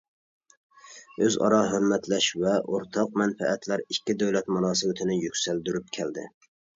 ئۆز- ئارا ھۆرمەتلەش ۋە ئورتاق مەنپەئەتلەر ئىككى دۆلەت مۇناسىۋىتىنى يۈكسەلدۈرۈپ كەلدى.